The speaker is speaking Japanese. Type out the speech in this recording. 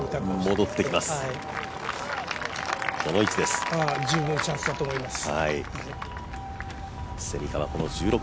戻ってきます、この位置です十分チャンスだと思います。